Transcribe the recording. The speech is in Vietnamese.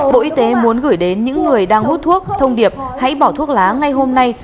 bộ y tế muốn gửi đến những người đang hút thuốc thông điệp hãy bỏ thuốc lá ngay hôm nay